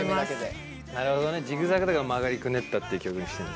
なるほどねジグザグだから曲がりくねったって曲にしてんだ。